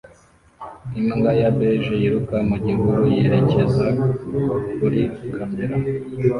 Imbwa ya beige yiruka mu gihuru yerekeza kuri kamera